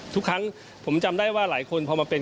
ทุกครั้งผมจำได้ว่าหลายคนพอมาเป็น